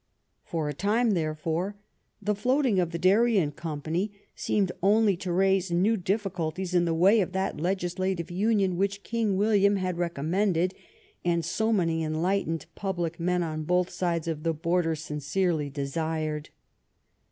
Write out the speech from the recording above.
For a time, therefore, the float ing of the Darien company seemed only to raise new difficulties in the way of that legislative union which King William had recommended and so many en lightened public men on both sides of the border sincerely desired.